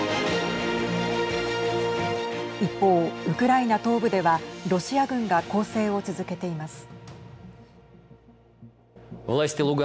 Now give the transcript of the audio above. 一方、ウクライナ東部ではロシア軍が攻勢を続けています。